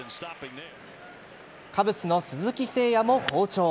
カブスの鈴木誠也も好調。